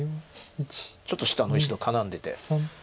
ちょっと下の石と絡んでて。